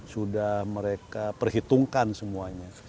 sudah mereka perhitungkan semuanya